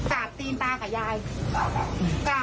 กราบตีนตากับยาย